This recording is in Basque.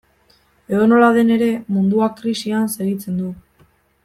Edonola den ere, munduak krisian segitzen du.